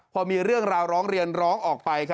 พอมีเรื่องราวร้องเรียนร้องออกไป